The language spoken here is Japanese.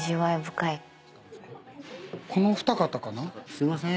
すいませーん。